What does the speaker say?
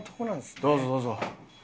どうぞどうぞ。